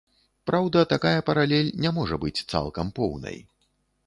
Праўда, такая паралель не можа быць цалкам поўнай.